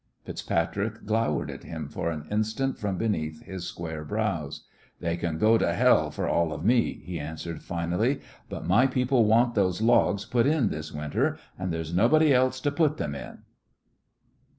FitzPatrick glowered at him for an instant from beneath his square brows. "They can go to hell for all of me," he answered, finally, "but my people want these logs put in this winter, an' there's nobody else to put them in."